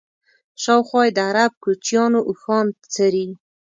شاوخوا یې د عرب کوچیانو اوښان څري.